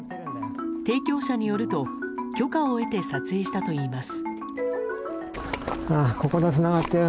提供者によると許可を得て撮影したといいます。